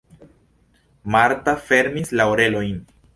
Marta fermis la orelojn.